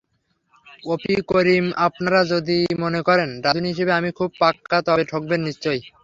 অপি করিমআপনারা যদি মনে করেন রাঁধুনি হিসেবে আমি খুব পাক্কা, তবে ঠকবেন নিশ্চয়।